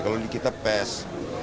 kalau di kita pes